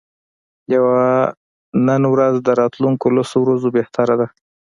یوه نن ورځ د راتلونکو لسو ورځو بهتره ده.